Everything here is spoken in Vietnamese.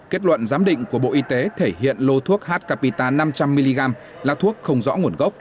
kết luận giám định của bộ y tế thể hiện lô thuốc h capita năm trăm linh mg là thuốc không rõ nguồn gốc